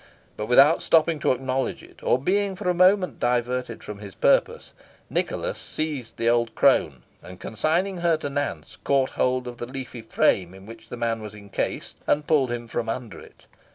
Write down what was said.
But without stopping to acknowledge it, or being for a moment diverted from his purpose, Nicholas seized the old crone, and, consigning her to Nance, caught hold of the leafy frame in which the man was encased, and pulled him from under it.